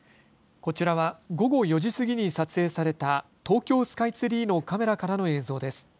こちらは午後４時過ぎに撮影された東京スカイツリーのカメラからの映像です。